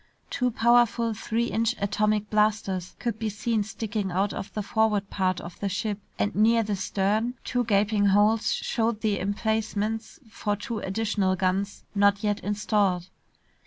Two powerful three inch atomic blasters could be seen sticking out of the forward part of the ship. And near the stern, two gaping holes showed the emplacements for two additional guns not yet installed.